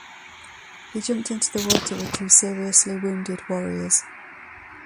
He jumped into the water with two seriously wounded warriors.